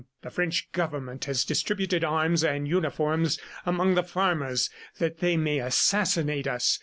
The French Government has distributed arms and uniforms among the farmers that they may assassinate us.